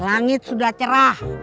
langit sudah cerah